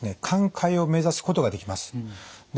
寛解を目指すことができます。